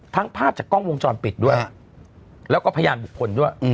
ภาพจากกล้องวงจรปิดด้วยแล้วก็พยานบุคคลด้วย